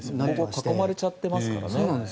囲まれちゃってますからね。